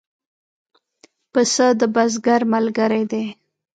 پسه د بزګر ملګری دی.